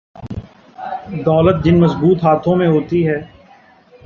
دولت جن مضبوط ہاتھوں میں ہوتی ہے۔